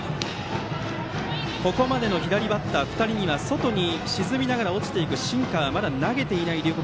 ここまでの左バッター２人には外に沈みながら落ちていくシンカーをまだ投げていない龍谷